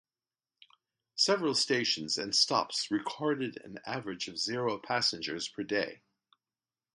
Several stations and stops recorded an average of zero passengers per day.